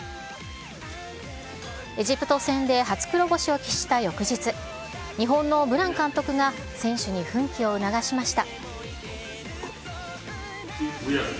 エジプト戦で初黒星を喫した翌日、日本のブラン監督が、選手に奮起を促しました。